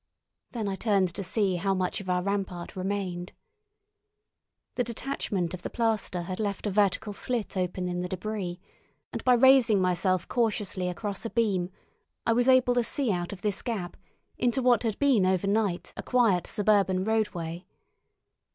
Then I turned to see how much of our rampart remained. The detachment of the plaster had left a vertical slit open in the debris, and by raising myself cautiously across a beam I was able to see out of this gap into what had been overnight a quiet suburban roadway.